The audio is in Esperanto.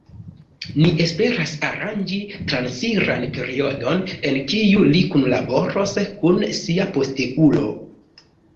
Ni esperas aranĝi transiran periodon en kiu li kunlaboros kun sia posteulo.